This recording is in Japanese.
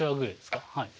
はい。